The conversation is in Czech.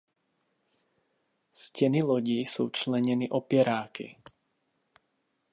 Stěny lodi jsou členěny opěráky.